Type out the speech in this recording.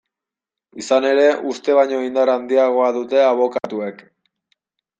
Izan ere, uste baino indar handiagoa dute abokatuek.